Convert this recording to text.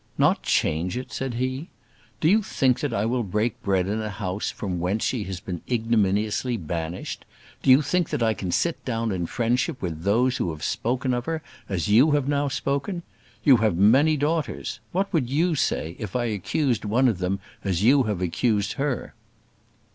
"Not change it!" said he. "Do you think that I will break bread in a house from whence she has been ignominiously banished? Do you think that I can sit down in friendship with those who have spoken of her as you have now spoken? You have many daughters; what would you say if I accused one of them as you have accused her?"